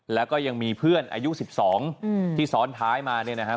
แล้วก็ยังมีเพื่อนอายุ๑๒ที่ซ้อนท้ายมาเนี่ยนะครับ